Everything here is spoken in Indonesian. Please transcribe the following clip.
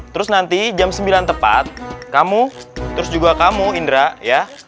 terus nanti jam sembilan tepat kamu terus juga kamu indra ya